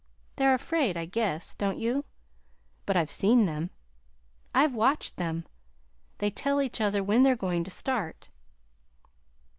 They're afraid, I guess, don't you? But I've seen them. I've watched them. They tell each other when they're going to start."